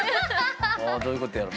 どういうことやろ。